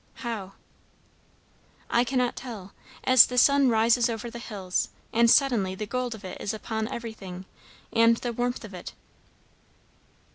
'" "How?" "I cannot tell. As the sun rises over the hills, and suddenly the gold of it is upon everything, and the warmth of it."